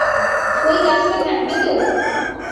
ওই গাছটা থাকবে তো?